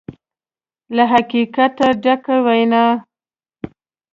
له حقیقته ډکه وینا